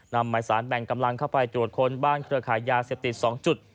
หมายสารแบ่งกำลังเข้าไปตรวจค้นบ้านเครือขายยาเสพติด๒จุด